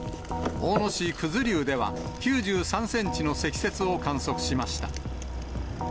大野市九頭竜では、９３センチの積雪を観測しました。